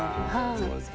そうですか。